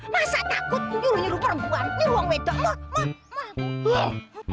masa takut nyuruh nyuruh perempuan nyuruh uang meda mah mah mah